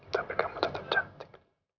tapi kamu tetap cantik